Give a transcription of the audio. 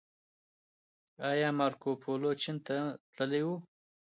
ايا مارکوپولو چين ته تللی و؟